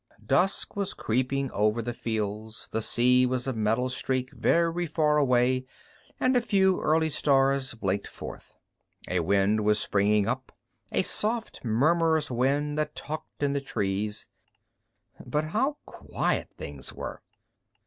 Dusk was creeping over the fields, the sea was a metal streak very far away and a few early stars blinked forth. A wind was springing up, a soft murmurous wind that talked in the trees. But how quiet things were!